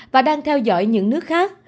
và đang theo dõi những nước khác